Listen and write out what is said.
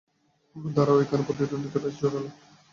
দাঁড়াও, এখানে প্রতিধ্বনিটা বেশ জোরালো!